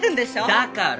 だから！